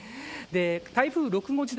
台風６号自体